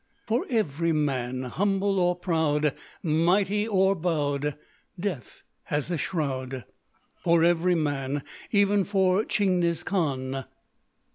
_ For every man, Humble or proud, Mighty or bowed, Death has a shroud;—for every man,— _Even for Tchingniz Khan!